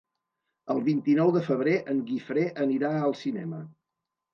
El vint-i-nou de febrer en Guifré anirà al cinema.